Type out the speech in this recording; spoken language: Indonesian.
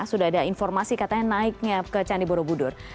sudah ada informasi katanya naiknya ke candi borobudur